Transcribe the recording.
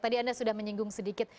tadi anda sudah menyinggung sedikit